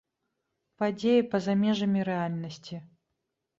Падзеі па-за межамі рэальнасці.